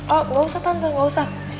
eh gak usah tante gak usah